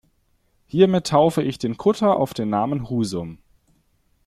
Hiermit taufe ich den Kutter auf den Namen Husum.